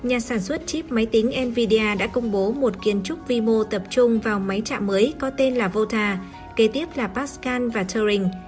đến cuối năm hai nghìn một mươi bảy nhà sản xuất chip máy tính nvidia đã công bố một kiến trúc vi mô tập trung vào máy trạng mới có tên là vota kế tiếp là pascal và turing